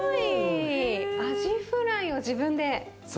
アジフライを自分で？